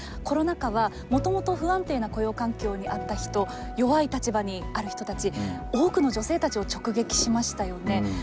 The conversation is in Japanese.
コロナ禍は、もともと不安定な雇用環境にあった人弱い立場にある人たち多くの女性たちを直撃しましたよね。